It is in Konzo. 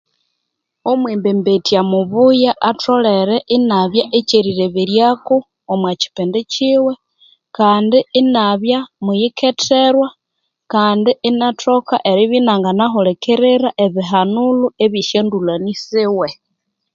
Omwembembetya mubuya atholhere atholhere inabya kyelireberyako omwa kipindi kiwe kandi inabya muyiketherwa kandi inatoka eribya inanganahulikirira ebihanulo ebye syandulhani siwe